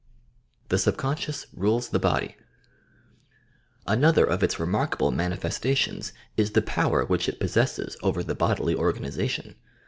THE SUBCONSCIOUS ! SUBCONSCIOUS RULES THE BODY ^V Another of its remarkable mauifestatiouB is the power which it possesses over the bodily organization.